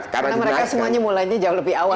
karena mereka semuanya mulainya jauh lebih awal